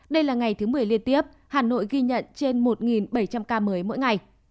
đây là ngày thứ một mươi liên tiếp hà nội ghi nhận trên một bảy trăm linh ca mới mỗi ngày